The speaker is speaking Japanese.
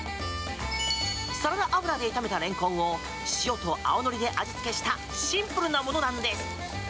サラダ油で炒めたレンコンを塩と青のりで味付けしたシンプルなものなんです。